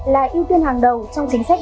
là ưu tiên hàng đầu trong chính sách